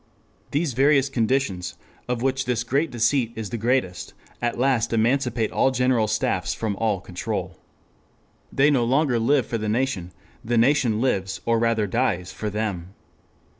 These various conditions, of which this great deceit is the greatest, at last emancipate all General Staffs from all control. They no longer live for the nation: the nation lives, or rather dies, for them.